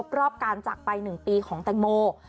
ครบรอบการจักรไปหนึ่งปีของแตงโมย์